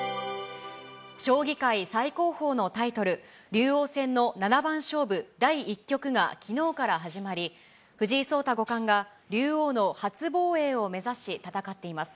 将棋界最高峰のタイトル、竜王戦の七番勝負第１局がきのうから始まり、藤井聡太五冠が竜王の初防衛を目指し、戦っています。